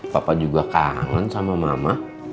papa juga kangen sama mama